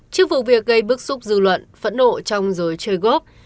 trước vụ việc gây bức xúc dư luận phẫn nộ trong dối chơi góp